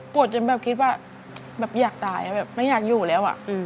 จนแบบคิดว่าแบบอยากตายแบบไม่อยากอยู่แล้ว